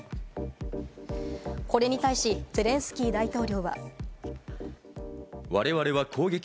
これに対し、ゼレンスキー大統領は。